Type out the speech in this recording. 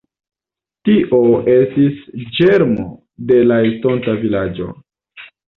Tio estis ĝermo de la estonta vilaĝo.